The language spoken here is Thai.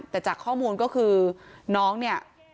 แต่จากข้อมูลก็คือน้องเนี่ย